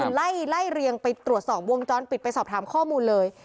คือไล่เรียงไปตรวจสอบวงจรปิดไปสอบถามข้อมูลเลย